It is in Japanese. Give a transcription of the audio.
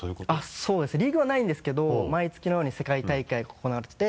そうですねリーグはないんですけど毎月のように世界大会が行われてて。